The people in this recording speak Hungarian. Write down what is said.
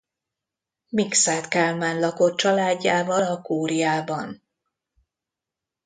Mikszáth Kálmán lakott családjával a kúriában.